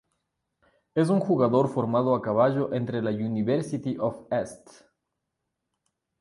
Es un jugador formado a caballo entre la University of St.